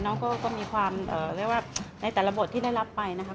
น้องก็มีความเรียกว่าในแต่ละบทที่ได้รับไปนะครับ